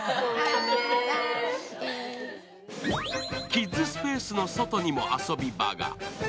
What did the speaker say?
キッズスペースの外にも遊び場が。